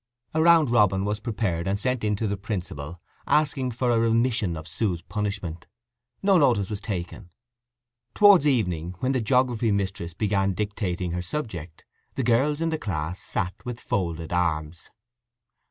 A round robin was prepared and sent in to the principal, asking for a remission of Sue's punishment. No notice was taken. Towards evening, when the geography mistress began dictating her subject, the girls in the class sat with folded arms.